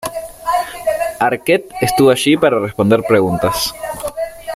Arquette estuvo allí para responder preguntas.